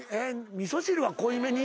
味噌汁は濃い目に？